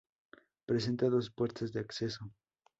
Presenta dos puertas de acceso.